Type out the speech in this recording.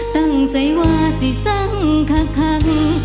ตั้งใจว่าสิสังคัง